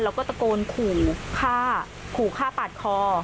แล้วก็ตะโกนขู่ฆ่าขู่ฆ่าปาดคอ